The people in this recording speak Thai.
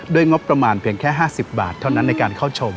งบประมาณเพียงแค่๕๐บาทเท่านั้นในการเข้าชม